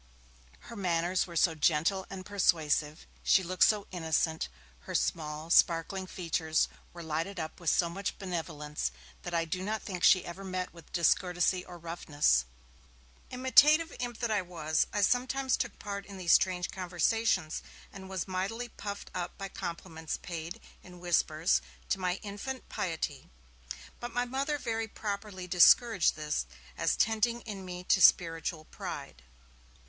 Her manners were so gentle and persuasive, she looked so innocent, her small, sparkling features were lighted up with so much benevolence, that I do not think she ever met with discourtesy or roughness. Imitative imp that I was, I sometimes took part in these strange conversations, and was mightily puffed up by compliments paid, in whispers, to my infant piety. But my Mother very properly discouraged this, as tending in me to spiritual pride.